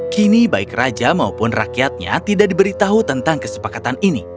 kini baik raja maupun rakyatnya tidak diberitahu tentang kesepakatan ini